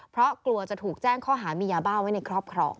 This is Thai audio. เพราะกลัวจะถูกแจ้งข้อหามียาบ้าไว้ในครอบครอง